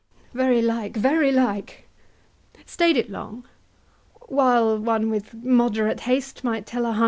HAMLET. Very like, very like. Stay'd it long? HORATIO. While one with moderate haste might tell a hundred.